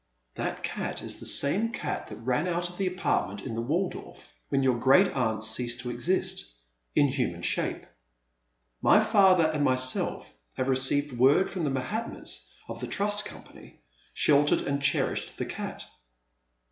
That cat is the same cat that ran out of the apartment in the Waldorf when your great aunt ceased to exist — in human shape. My father and myself, having received word from the Mahatmas of the Trust Company, sheltered and cherished the cat.